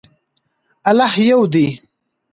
الله یو دی.